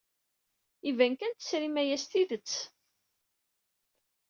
Iban kan tesrim aya s tidet.